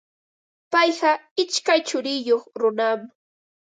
Payqa ishkay churiyuq runam.